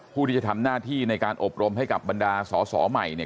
ผู้ที่จะทำหน้าที่ในการอบรมให้กับบรรดาสอสอใหม่เนี่ย